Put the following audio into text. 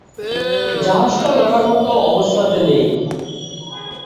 জাহাজটা লড়ার মতো অবস্থাতে নেই।